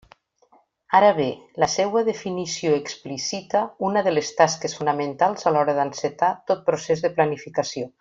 Ara bé, la seua definició explicita una de les tasques fonamentals a l'hora d'encetar tot procés de planificació.